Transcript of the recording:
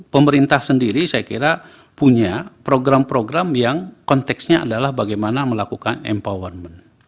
pemerintah sendiri saya kira punya program program yang konteksnya adalah bagaimana melakukan empowerment